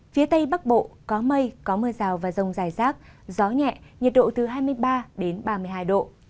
phía tây bắc bộ có mây có mưa rào và rông dài rác gió nhẹ nhiệt độ từ hai mươi ba đến ba mươi hai độ